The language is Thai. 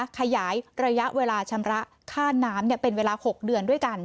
ขยายระยะเวลาชำระค่าน้ำเป็นเวลา๖เดือนด้วยกัน